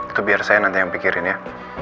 itu biar saya nanti yang pikirin ya